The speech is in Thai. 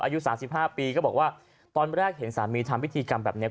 อายุ๓๕ปีก็บอกว่าตอนแรกเห็นสามีทำพิธีกรรมแบบนี้